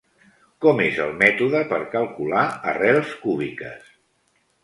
Com és el mètode per calcular arrels cúbiques?